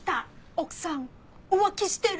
奥さん浮気してる。